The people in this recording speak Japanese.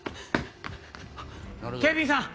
あっ警備員さん。